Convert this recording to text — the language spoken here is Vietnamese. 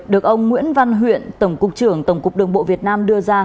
được ông nguyễn văn huyện tổng cục trưởng tổng cục đường bộ việt nam đưa ra